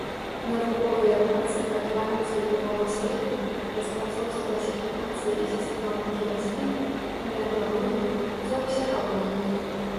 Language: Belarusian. Навуковыя працы па эвалюцыі жывога свету, распрацоўцы класіфікацыі і сістэматыкі раслін, палеанталогіі, зоапсіхалогіі.